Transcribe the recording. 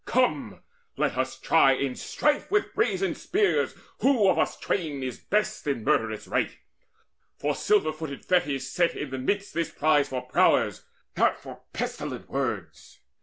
Come, let us try in strife with brazen spears Who of us twain is best in murderous right! For silver footed Thetis set in the midst This prize for prowess, not for pestilent words.